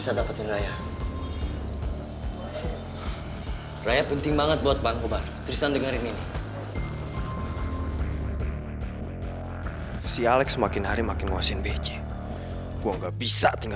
sampai jumpa di video selanjutnya